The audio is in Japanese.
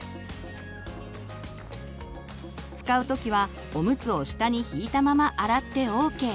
使う時はおむつを下に引いたまま洗ってＯＫ。